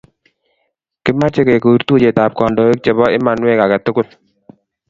kimeche kekur tuyietab kandoik chbo imanwek age tugul